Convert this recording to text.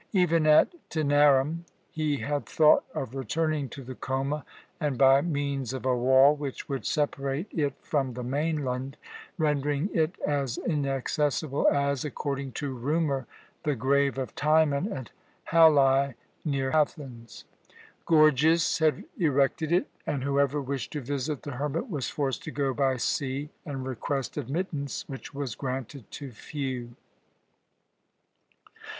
Even at Tænarum he had thought of returning to the Choma, and by means of a wall, which would separate it from the mainland, rendering it as inaccessible as according to rumour the grave of Timon at Halæ near Athens. Gorgias had erected it, and whoever wished to visit the hermit was forced to go by sea and request admittance, which was granted to few.